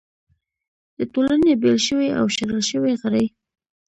د ټولنې بېل شوي او شړل شوي غړي